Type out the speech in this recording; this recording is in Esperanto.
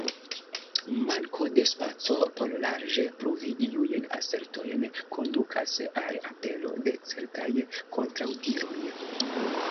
Manko de spaco por larĝe pruvi iujn asertojn kondukas al apero de certaj kontraŭdiroj.